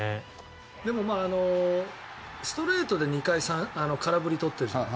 でも、ストレートで２回、空振り取ってるじゃない。